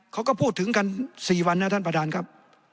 เขาก็พูดถึงกัน๔วันนะท่านประธานครับ